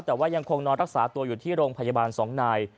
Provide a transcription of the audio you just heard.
แต่ว่ายังคงนอนรักษาตัวอยู่ที่โรงพยาบาล๒นาย